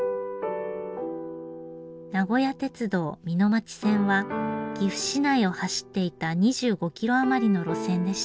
名古屋鉄道美濃町線は岐阜市内を走っていた２５キロ余りの路線でした。